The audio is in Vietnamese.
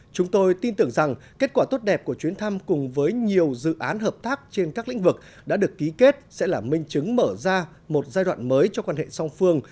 chúng tôi tin tưởng rằng kết quả tốt đẹp của chuyến thăm cùng với nhiều dự án hợp tác trên các lĩnh vực đã được ký kết sẽ là minh chứng mở ra một giai đoạn mới cho quan hệ song phương